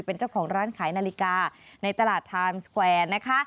เป็นเจ้าของร้านขายนาฬิกาในตลาดไทม์สแกวนนะคะ